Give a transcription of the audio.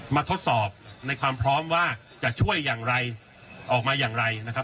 ทดสอบในความพร้อมว่าจะช่วยอย่างไรออกมาอย่างไรนะครับ